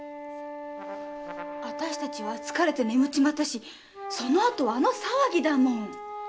あたしたちは疲れて眠っちまったしその後あの騒ぎだもん。